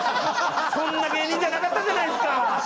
そんな芸人じゃなかったじゃないですか！